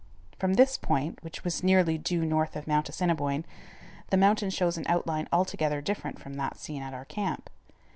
From this point, which was nearly due north of Mount Assiniboine, the mountain shows an outline altogether different from that seen at our camp.